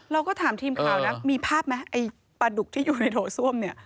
เราก็ถามทีมข่าวนะมีภาพไหมไอ้ปลาดุกที่อยู่ในโถส้วมเนี่ย